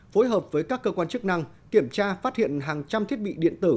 phối hợp với các cơ quan chức năng kiểm tra phát hiện hàng trăm thiết bị điện tử